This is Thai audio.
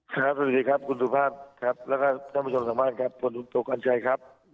สวัสดีครับคุณธุพาทครับแล้วกับผู้บัญชาการคนโทรกรณ์ชัยครับ